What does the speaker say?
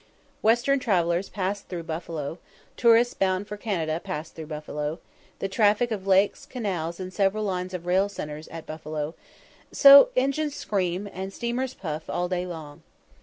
Western travellers pass through Buffalo; tourists bound for Canada pass through Buffalo; the traffic of lakes, canals, and several lines of rail centres at Buffalo; so engines scream, and steamers puff, all day long.